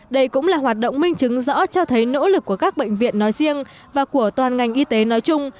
đây cũng là hoạt động minh chứng rõ cho thấy nỗ lực của các bệnh viện nói riêng và của toàn ngành y tế nói chung